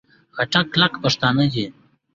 خټک کلک پښتانه دي.